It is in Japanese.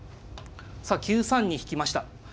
さあ９三に引きました。